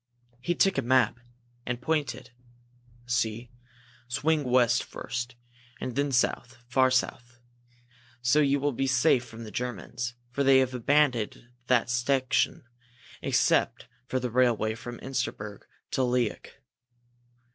He took a map and pointed. "See swing west first, and then south far south. So you will be safe from the Germans, for they have abandoned that section except for the railway from Insterberg to Liok.